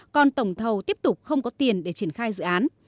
còn tổng thầu tiếp tục không có tiền để triển khai dự án